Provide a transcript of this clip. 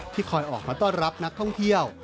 คอยออกมาต้อนรับนักท่องเที่ยว